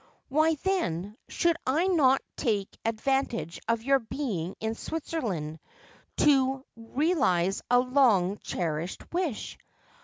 Why, then, should I not take advantage of your being in Switzerland to realise a long cherished wish?